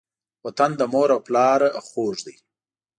وطن له مور او پلاره خوږ دی.